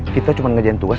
kita cuma ngejalan tugas